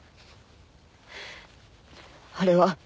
あれは。